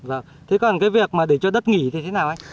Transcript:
vâng thế còn cái việc mà để cho đất nghỉ thì thế nào anh